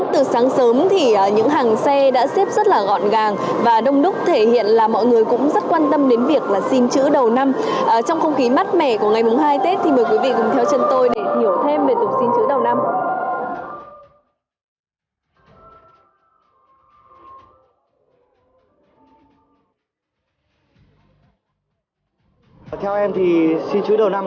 từ sáng sớm thì những hàng xe đã xếp rất là gọn gàng và đông đúc thể hiện là mọi người cũng rất quan tâm đến việc xin chữ đầu năm